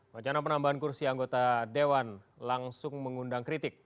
wacana penambahan kursi anggota dewan langsung mengundang kritik